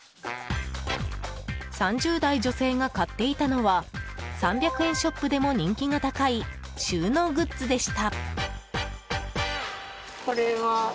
３０代女性が買っていたのは３００円ショップでも人気が高い収納グッズでした。